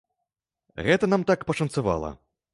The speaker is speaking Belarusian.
Гэта нам так пашанцавала.